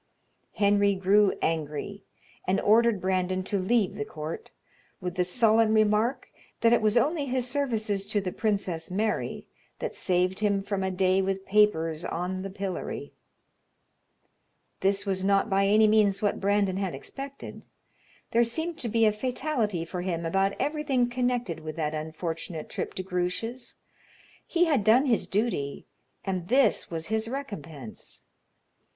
Henry grew angry and ordered Brandon to leave the court, with the sullen remark that it was only his services to the Princess Mary that saved him from a day with papers on the pillory. This was not by any means what Brandon had expected. There seemed to be a fatality for him about everything connected with that unfortunate trip to Grouche's. He had done his duty, and this was his recompense.